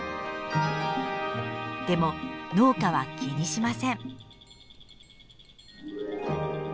でも農家は気にしません。